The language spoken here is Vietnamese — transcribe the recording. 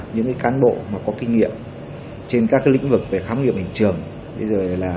những cán bộ có kinh nghiệm trên các lĩnh vực về khám nghiệm hiện trường